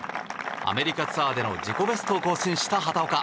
アメリカツアーでの自己ベストを更新した畑岡。